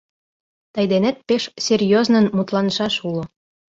Тый денет пеш серьёзнын мутланышаш уло...